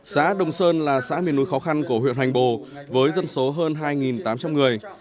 xã đồng sơn là xã miền núi khó khăn của huyện hoành bồ với dân số hơn hai tám trăm linh người